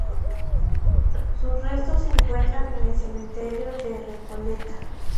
Sus restos se encuentran en el Cementerio de Recoleta.